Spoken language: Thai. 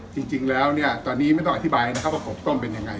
จริงแล้วเนี่ยตอนนี้ไม่ต้องอธิบายนะครับว่ากบต้มเป็นยังไง